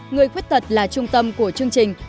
người khuyết tật là trung tâm của chương trình